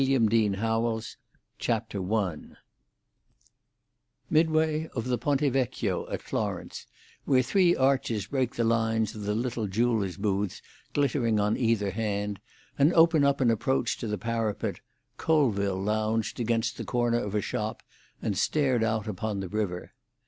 INDIAN SUMMER I Midway of the Ponte Vecchio at Florence, where three arches break the lines of the little jewellers' booths glittering on either hand, and open an approach to the parapet, Colville lounged against the corner of a shop and stared out upon the river.